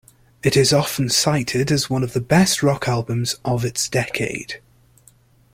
It is often cited as one of the best rock albums of its decade.